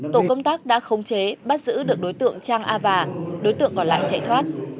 tổ công tác đã khống chế bắt giữ được đối tượng trang a và đối tượng còn lại chạy thoát